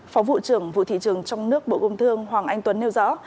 phó vụ trưởng vụ thị trường trong nước bộ công thương hoàng anh tuấn nêu rõ